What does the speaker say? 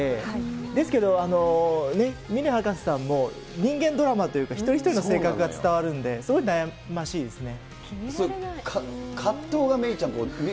ですけど、峰博士さんも、人間ドラマというか、一人一人の性格が伝わるんで、すごい悩ましいですね。